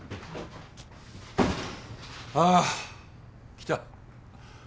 あぁ来た。